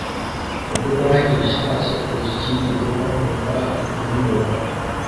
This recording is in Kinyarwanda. ubwo nanjye nashatse kugira ikindi mvuga, numva ingumi munda